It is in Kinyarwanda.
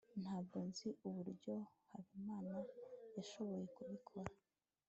ntabwo nzi uburyo habimana yashoboye kubikora